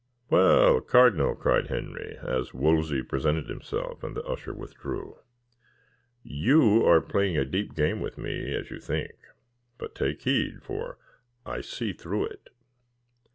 "Well, cardinal," cried Henry, as Wolsey presented himself, and the usher withdrew. "You are playing a deep game with me, as you think; but take heed, for I see through it."